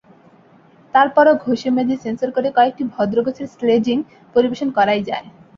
তার পরও ঘষেমেজে, সেন্সর করে কয়েকটি ভদ্রগোছের স্লেজিং পরিবেশন করাই যায়।